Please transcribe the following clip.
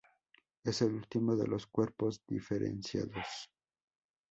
Es el último de los cuerpos diferenciados.